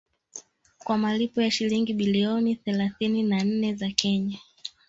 kwa malipo ya shilingi bilioni thelathini na nne za Kenya